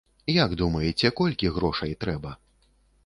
Як думаеце, колькі грошай трэба?